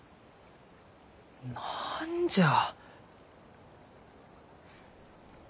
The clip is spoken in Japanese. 何じゃあ。